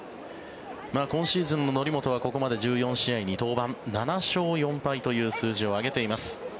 今シーズンの則本はここまで１４試合に登板７勝４敗という数字を挙げています。